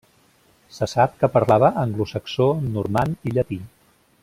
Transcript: Se sap que parlava anglosaxó, normand i llatí.